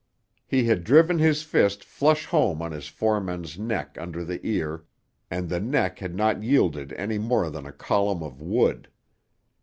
He had driven his fist flush home on his foreman's neck under the ear, and the neck had not yielded any more than a column of wood.